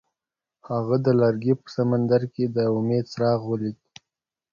هغه د لرګی په سمندر کې د امید څراغ ولید.